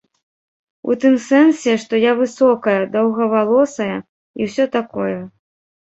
У тым сэнсе, што я высокая, доўгавалосая і ўсё такое.